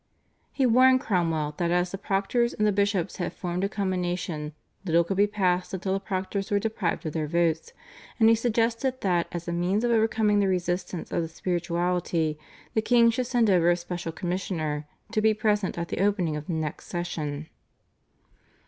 He warned Cromwell that as the proctors and the bishops had formed a combination little could be passed until the proctors were deprived of their votes, and he suggested that as a means of overcoming the resistance of the spirituality the king should send over a special commissioner to be present at the opening of the next session.